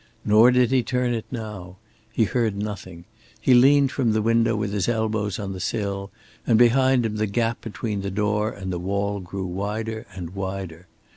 Nor did he turn it now. He heard nothing. He leaned from the window with his elbows on the sill, and behind him the gap between the door and the wall grew wider and wider.